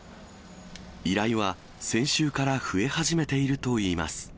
依頼は、先週から増え始めているといいます。